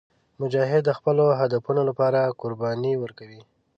مجاهد د خپلو هدفونو لپاره قرباني ورکوي.